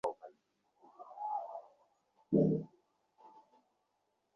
বন্ধুগণ, আমি তোমাদিগকে গোটাকতক রূঢ় অপ্রিয় সত্য শুনাইতে চাই।